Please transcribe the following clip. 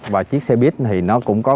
và chiếc xe buýt thì nó cũng có